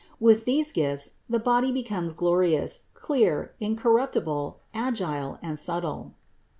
With these gifts the body becomes glorious, clear, incorruptible, agile and subtle.